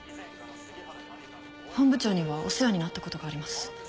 本部長にはお世話になったことがあります。